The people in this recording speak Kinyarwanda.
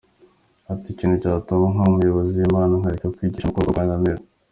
Ati “Ikintu cyatuma ntaba umukozi w’Imana, nkareka kwigisha ni uko urugo rwananira.